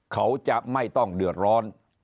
เขาจะไม่ต้องเดือดร้อน